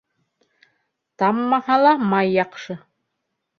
Таммаһа ла май яҡшы.